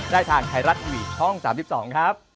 ได้ทางไทยรัฐทีวีช่อง๓๒ครับ